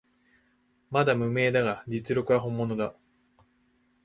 まだ無名だが実力は本物だ